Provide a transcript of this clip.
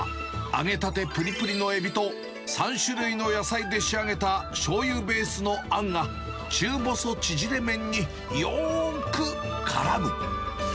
揚げたてぷりぷりのエビと、３種類の野菜で仕上げたしょうゆベースのあんが、中細縮れ麺によーくからむ。